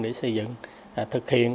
để xây dựng thực hiện